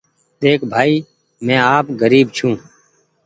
ۮيک ڀآئي مينٚ آپ غريب ڇوٚنٚ